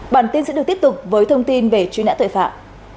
bản tin sẽ được tiếp tục với thông tin về truy nã tội phạm